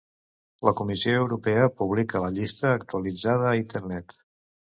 La Comissió Europea publica la llista actualitzada a internet.